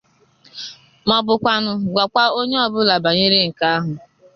maọbụkwanụ gwakwa onye ọbụla banyere nke ahụ.